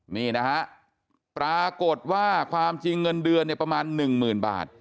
นี่นะฮะปรากฏว่าความจริงเงินเดือนเนี่ยประมาณหนึ่งหมื่นบาท